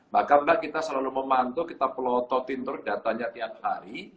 bahkan mbak kita selalu memantau kita pelototin terus datanya tiap hari